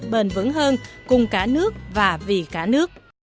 bền vững hơn cùng cả nước và vì cả nước